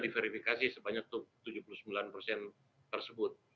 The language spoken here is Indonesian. diverifikasi sebanyak tujuh puluh sembilan persen tersebut